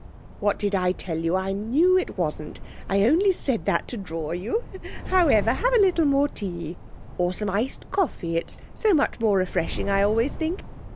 'What did I tell you? I knew it wasn't; I only said that to draw you. However, have a little more tea, or some iced coffee, it's so much more refreshing I always think.